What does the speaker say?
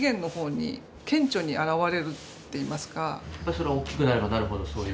それは大きくなればなるほどそういう。